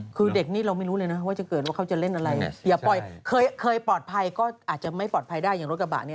คือเด็กนี้เราไม่รู้เลยนะว่าจะเกิดว่าเขาจะเล่นอะไรอย่าปล่อยก็อาจจะไม่ปลอดภัยได้อย่างรถกระบะนี้